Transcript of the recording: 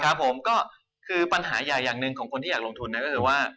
ครับผมก็คือปัญหาใหญ่อย่างหนึ่งของคนที่อยากลงทุนนะก็คือว่า